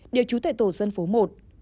đều trú tại tổ dân phố một